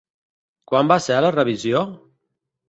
Quan va ser la revisió?